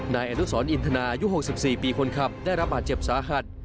นายอนุสรอินทนายุ๖๔ปีคนขับได้รับบาดเจ็บสาหัส